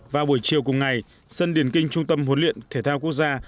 vào buổi chiều cùng ngày sân điển kinh trung tâm huấn luyện thể thao quốc gia